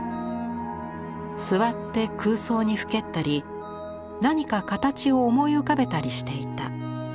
「座って空想にふけったり何か形を思い浮かべたりしていた」。